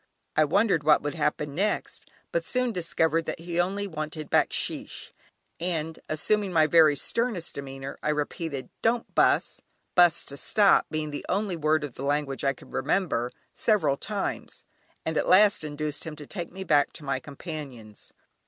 I wondered what would happen next, but soon discovered that he only wanted "Backsheesh," and assuming my very sternest demeanour I repeated "don't bus" ("bus" to stop, being the only word of the language I could remember) several times, and at last induced him to take me back to my companions.